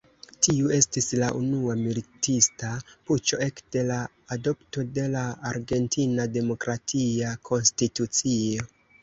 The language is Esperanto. Tiu estis la unua militista puĉo ekde la adopto de la argentina demokratia konstitucio.